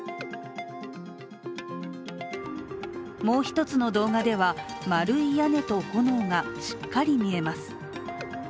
もう一つの動画では、丸い屋根と炎がしっかり見えます。